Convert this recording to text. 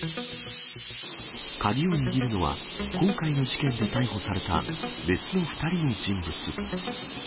鍵を握るのは、今回の事件で逮捕された別の２人の人物。